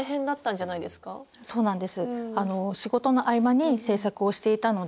はいそうなんです。